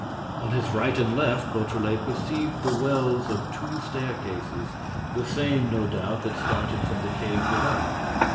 On his right and left, Beautrelet perceived the wells of two staircases, the same, no doubt, that started from the cave below.